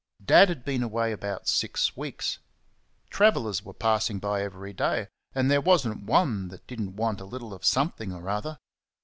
Dad had been away about six weeks. Travellers were passing by every day, and there was n't one that did n't want a little of something or other.